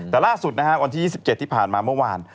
แต่ล่าสุดนะฮะวันที่๒๗ที่ผ่านมาเมื่อวาน